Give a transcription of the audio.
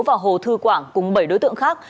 và hồ thư quảng cùng bảy đối tượng khác